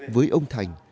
với ông thành